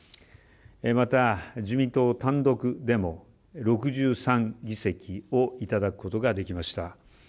また、自民党単独でも６３議席をいただくことができました。